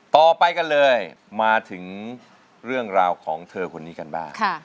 ต่อไปกันเลยมาถึงเรื่องราวของเธอคนนี้กันบ้าง